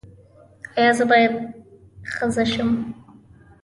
ایا زه باید ښځه شم؟